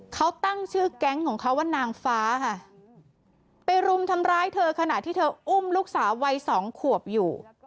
เขาตั้งชื่อแก๊งของเขาว่านางฟ้าค่ะไปรุมทำร้ายเธอขณะที่เธออุ้มลูกสาววัยสองขวบอยู่